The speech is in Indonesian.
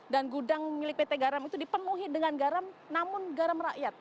dan gudang milik pt garam itu dipenuhi dengan garam namun garam rakyat